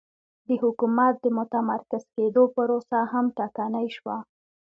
د حکومت د متمرکز کېدو پروسه هم ټکنۍ شوه